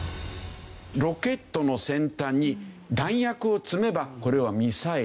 ロケットの先端に弾薬を積めばこれはミサイル。